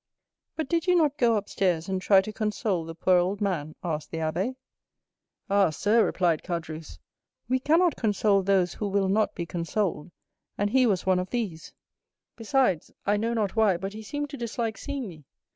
"But did you not go upstairs and try to console the poor old man?" asked the abbé. "Ah, sir," replied Caderousse, "we cannot console those who will not be consoled, and he was one of these; besides, I know not why, but he seemed to dislike seeing me.